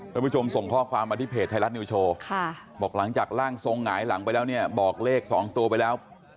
ผู้ชมส่งข้อความมาที่เพจไทยรัฐนิวโชว์บอกหลังจากร่างทรงหงายหลังไปแล้วเนี่ยบอกเลข๒ตัวไปแล้ว